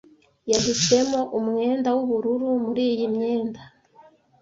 Yahisemo umwenda w'ubururu muri imyenda.